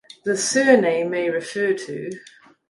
The surname may refer to